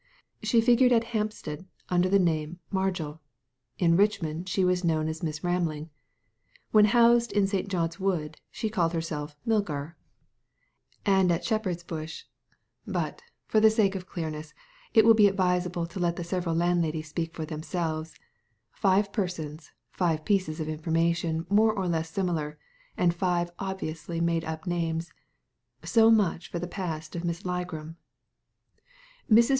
She figured at Hampstead under the name of Margil ; in Richmond she was known as Miss Ramlig ; when housed in St. John's Wood she called herself Milgar ; Digitized by Google THE FIVE LANDLADIES 39 and at Shepherd's Bush — but for the sake of clearness it will be advisable to let the several landladies speak for themselves — five persons, five pieces of informa tion more or less similar, and five obviously made up names. So much for the past of Miss Ligram. Mrs.